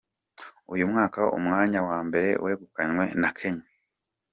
Uyu mwaka umwanya wa mbere wegukanywe na Kenya.